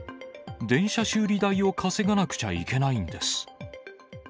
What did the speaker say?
電車修理代を稼がなくちゃいけないんです。